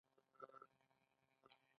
ایا ستاسو ږیره به جوړه نه وي؟